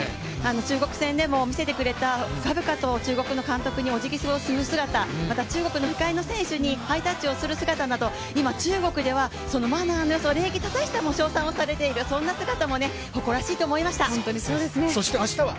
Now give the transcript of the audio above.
中国戦でも見せてくれた、深々と中国の監督におじぎする姿、また中国の控えの選手にハイタッチをする姿など、今、中国ではそのマナーのよさ、礼儀正しさも称賛されている、カルビーのパリッ！